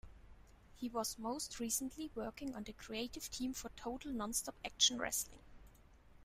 He was most recently working on the creative team for Total Nonstop Action Wrestling.